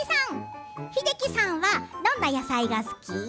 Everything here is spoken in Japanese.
英樹さんはどんな野菜が好き？